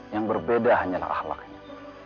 yang berbeda hanyalah akhlaknya